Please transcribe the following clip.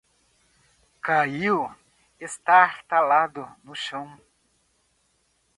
Caiu estártalado no chão